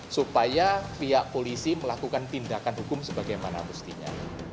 supaya pihak polisi melakukan tindakan hukum sebagaimana mestinya